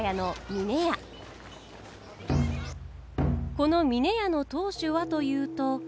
この峰屋の当主はというと。